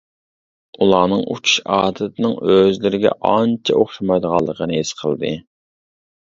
ئۇلارنىڭ ئۇچۇش ئادىتىنىڭ ئۆزلىرىگە ئانچە ئوخشىمايدىغانلىقىنى ھېس قىلدى.